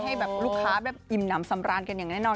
ให้แบบลูกค้าแบบอิ่มน้ำสำราญกันอย่างแน่นอน